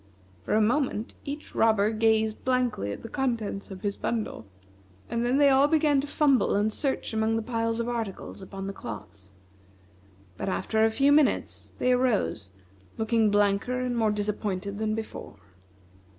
For a moment each robber gazed blankly at the contents of his bundle, and then they all began to fumble and search among the piles of articles upon the cloths; but after a few minutes, they arose, looking blanker and more disappointed than before.